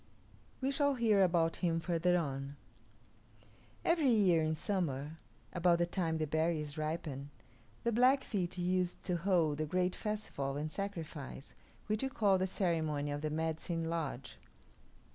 We shall hear about him further on. Every year in summer, about the time the berries ripen, the Blackfeet used to hold the great festival and sacrifice which we call the ceremony of the Medicine Lodge.